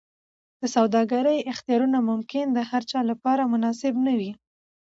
د سوداګرۍ اختیارونه ممکن د هرچا لپاره مناسب نه وي.